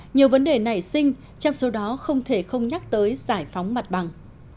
nhiều vấn đề nảy sinh trong số đó không thể không nhắc tới giải phóng mặt bằng